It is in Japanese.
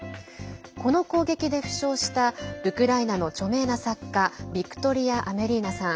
この攻撃で負傷したウクライナの著名な作家ビクトリア・アメリーナさん